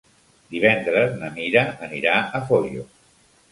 Divendres na Mira anirà a Foios.